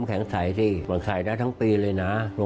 กล้วยทอดเข้าไปแล้ว